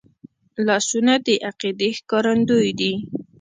لاسونه د عقیدې ښکارندوی دي